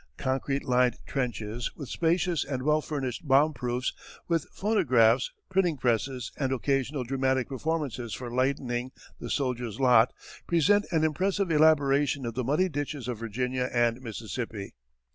Concrete lined trenches, with spacious and well furnished bomb proofs, with phonographs, printing presses, and occasional dramatic performances for lightening the soldiers' lot present an impressive elaboration of the muddy ditches of Virginia and Mississippi.